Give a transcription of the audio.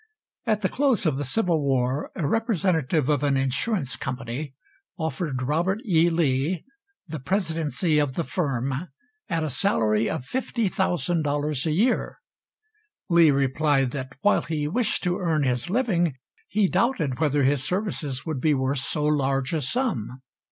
At the close of the Civil War a representative of an insurance company offered Robert E. Lee the presidency of the firm at a salary of $50,000 a year. Lee replied that while he wished to earn his living, he doubted whether his services would be worth so large a sum.